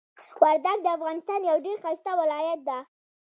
وردګ د افغانستان یو ډیر ښایسته ولایت ده.